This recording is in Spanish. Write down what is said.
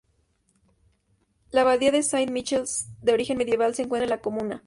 La abadía de Saint-Michel, de origen medieval, se encuentra en la comuna.